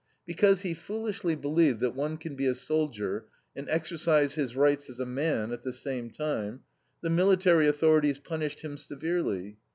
Because he foolishly believed that one can be a soldier and exercise his rights as a man at the same time, the military authorities punished him severely.